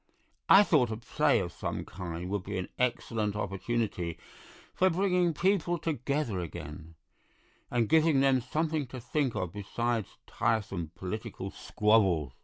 I thought a play of some kind would be an excellent opportunity for bringing people together again, and giving them something to think of besides tiresome political squabbles."